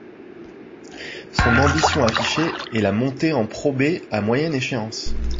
Son ambition affichée est la montée en Pro B à moyenne échéance.